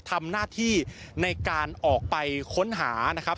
ทำหน้าที่ในการออกไปค้นหานะครับ